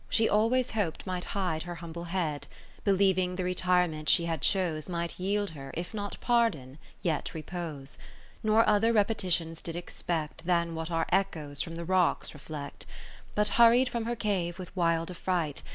She always hop'd might hide her humble head ; Believing the retirement she had chose Might yield her, if not pardon, yet repose ; Nor other repetitions did expect, Than what our Echoes from the rocks reflect. But hurried from her cave with wild affright.